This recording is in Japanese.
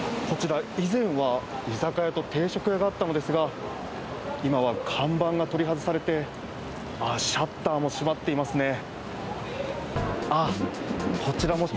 こちら以前は居酒屋と定食屋があったのですが今は看板が取り外されてシャッターが閉まってますね。